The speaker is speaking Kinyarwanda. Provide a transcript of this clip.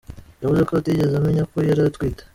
Yavuze ko atigeze amenya ko yari atwite.